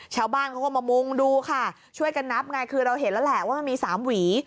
ชาวบ้านเขาก็มามุงดูค่ะช่วยกันนับไงคือเราเห็นแล้วแหละว่ามันมีสามหวี